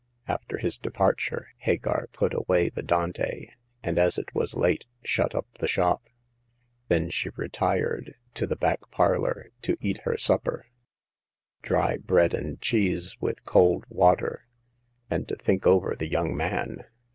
After his departure, Hagar put away the Dante, and, as it was late, shut up the shop. Then she retired to the back parlor to eat her supper — dry bread and cheese with cold water— and to think over the young man.